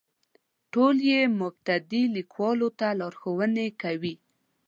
ټول یې مبتدي لیکوالو ته لارښوونې کوي.